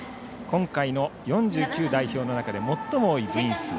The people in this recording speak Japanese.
今回の４９代表の中で最も多い部員数。